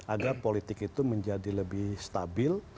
agar politik itu menjadi lebih stabil